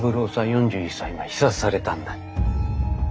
４１歳が刺殺されたんだ。